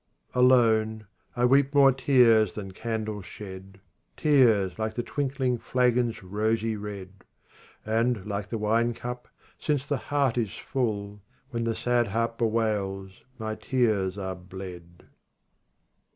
26 Alone I weep more tears than candles shed â Tears like the twinkling flagon's rosy red ; And, like the wine cup, since the heart is full, When the sad harp bewails my tears are bled.